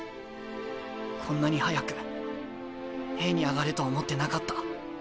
こんなに早くＡに上がると思ってなかった。